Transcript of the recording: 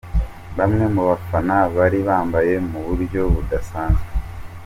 Bamwe mu bafana bari bambaye mu buryo budasanzwe.